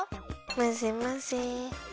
まぜまぜ！